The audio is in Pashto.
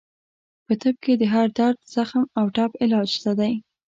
په طب کې د هر درد، زخم او ټپ علاج شته دی.